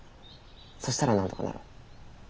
そしたらなんとかなる？